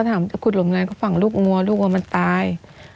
อ๋อเขาก็ถามจะขุดหลุมอะไรก็ฝังลูกงัวลูกงัวมันตายอ๋อ